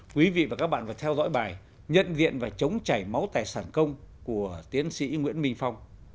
quý vị và các bạn vừa theo dõi bài nhận diện và chống chảy máu tài sản công của tiến sĩ nguyễn minh phong